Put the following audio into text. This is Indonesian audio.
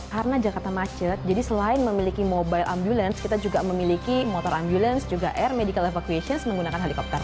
karena jakarta macet jadi selain memiliki mobile ambulance kita juga memiliki motor ambulance juga air medical evacuation menggunakan helikopter